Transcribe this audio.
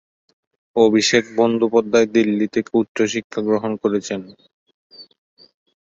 অভিষেক বন্দ্যোপাধ্যায় দিল্লি থেকে উচ্চশিক্ষা গ্রহণ করেছেন।